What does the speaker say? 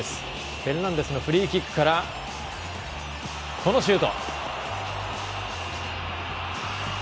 フェルナンデスのフリーキックからこのシュート。